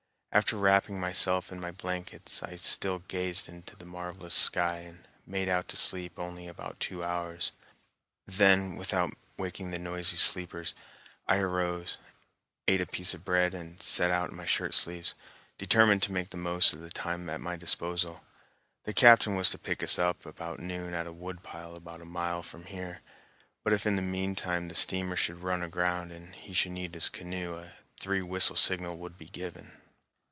After wrapping myself in my blankets, I still gazed into the marvelous sky and made out to sleep only about two hours. Then, without waking the noisy sleepers, I arose, ate a piece of bread, and set out in my shirt sleeves, determined to make the most of the time at my disposal. The captain was to pick us up about noon at a woodpile about a mile from here; but if in the mean time the steamer should run aground and he should need his canoe, a three whistle signal would be given.